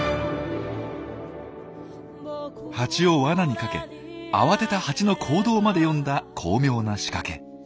ハチをワナにかけ慌てたハチの行動まで読んだ巧妙な仕掛け。